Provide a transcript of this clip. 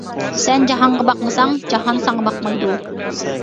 سەن جاھانغا باقمىساڭ، جاھان ساڭا باقمايدۇ.